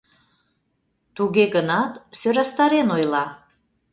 Туге гынат сӧрастарен ойла: